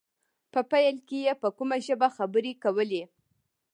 په پيل کې يې په کومه ژبه خبرې کولې.